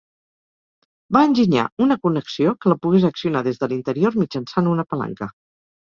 Va enginyar una connexió que la pogués accionar des de l'interior mitjançant una palanca.